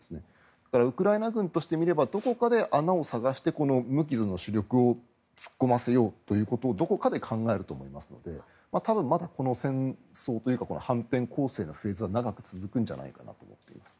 だからウクライナ軍としてみればどこかで穴を探してこの無傷の主力を突っ込ませようということをどこかで考えると思いますので多分、まだこの戦争というか反転攻勢のフェーズは長く続くんじゃないかと思っています。